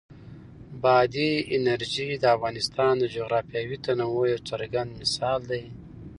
بادي انرژي د افغانستان د جغرافیوي تنوع یو څرګند مثال دی.